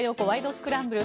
スクランブル」。